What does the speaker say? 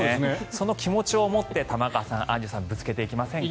その気持ちを持って玉川さん、アンジュさんぶつけていきませんか。